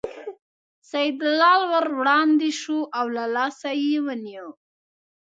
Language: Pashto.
سیدلال ور وړاندې شو او له لاسه یې ونیو.